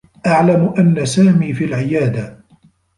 أعلم أنّ سامي في العيادة.